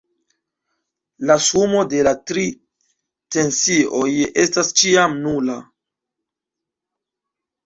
La sumo de la tri tensioj estas ĉiam nula.